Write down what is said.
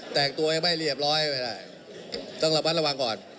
แตกตัวยังไม่เรียบร้อยต้องระวังก่อน